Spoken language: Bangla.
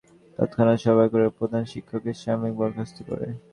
বিদ্যালয় পরিচালনা পর্ষদ তাৎক্ষণিক সভা করে প্রধান শিক্ষককে সাময়িক বরখাস্ত করে।